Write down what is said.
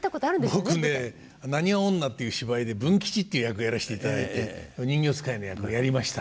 僕ね「浪花女」っていう芝居で文吉っていう役をやらせていただいて人形遣いの役をやりました。